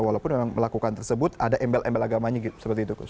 walaupun memang melakukan tersebut ada embel embel agamanya seperti itu